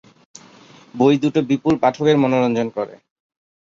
বই দুটো বিপুল পাঠকের মনোরঞ্জন করে।